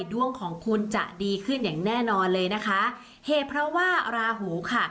ดวงของคุณจะดีขึ้นอย่างแน่นอนเลยนะคะเหตุเพราะว่าราหูค่ะ